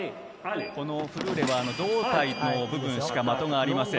フルーレは胴体の部分しか的がありません。